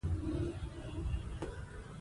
افغانستان کې د تودوخه د پرمختګ هڅې روانې دي.